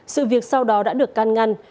sự việc sau đó đã được can ngăn